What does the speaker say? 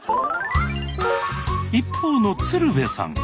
一方の鶴瓶さん